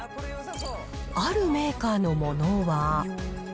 あるメーカーのものは。